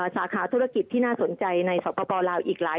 สาขาธุรกิจที่น่าสนใจในสาปปอล์ลาว๕๐๐